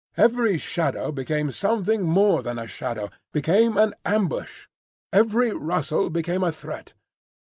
Every shadow became something more than a shadow,—became an ambush; every rustle became a threat.